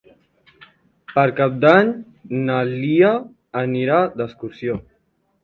Per Cap d'Any na Lia anirà d'excursió.